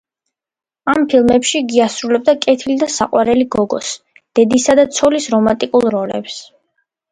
ამ ფილმებში იგი ასრულებდა კეთილი და საყვარელი გოგოს, დედისა და ცოლის რომანტიკულ როლებს.